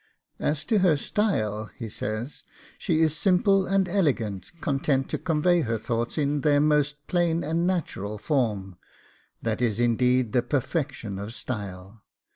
'As to her style,' he says, 'she is simple and elegant, content to convey her thoughts in their most plain and natural form, that is indeed the perfection of style.